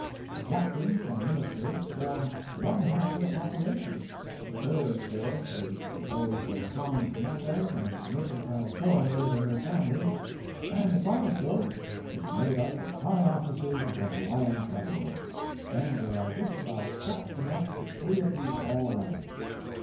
The captains and ministers form one half of the population; the third fourth is composed of common Kanakas and mercantile foreigners and their families, and the final fourth is made up of high officers of the Hawaiian Government. And there are just about cats enough for three apiece all around.